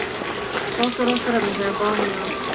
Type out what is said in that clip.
تاسو راسره مهربان یاست